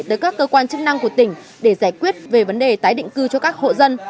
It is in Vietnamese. tới các cơ quan chức năng của tỉnh để giải quyết về vấn đề tái định cư cho các hộ dân